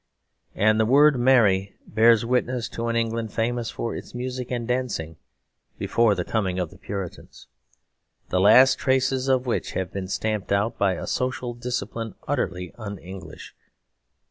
And the word "merry" bears witness to an England famous for its music and dancing before the coming of the Puritans, the last traces of which have been stamped out by a social discipline utterly un English.